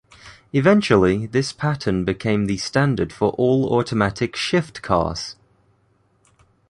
Eventually this pattern became the standard for all automatic-shift cars.